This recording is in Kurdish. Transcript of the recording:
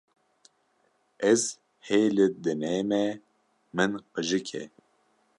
Ez hê li dinê me min qijikê